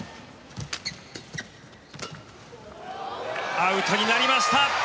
アウトになりました。